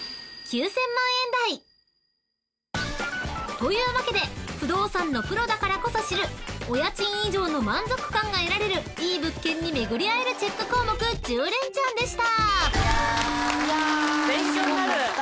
［というわけで不動産のプロだからこそ知るお家賃以上の満足感が得られるいい物件に巡り合えるチェック項目１０連ちゃんでした］